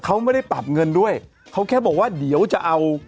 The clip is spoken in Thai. เขาไม่ได้ปรับเงินด้วยเขาแค่บอกว่าเดี๋ยวจะเอา